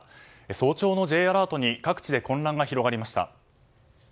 早朝のＪアラートに各地で混乱が広がりました。